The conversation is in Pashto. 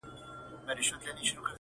• داسي ټکه یې پر کور وه را لوېدلې ,